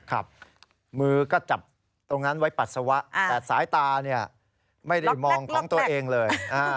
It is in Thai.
ครับมือก็จับตรงนั้นไว้ปัสสาวะแต่สายตาเนี่ยไม่ได้มองของตัวเองเลย